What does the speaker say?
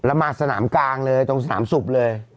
แล้วมาสนามกลางเลยตรงสนามศุกร์เลย